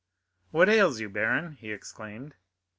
"What ails you, baron?" he exclaimed.